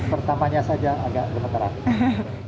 pertamanya saja agak gemeteran